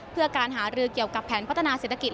เพื่อการหารือเกี่ยวกับแผนพัฒนาเศรษฐกิจ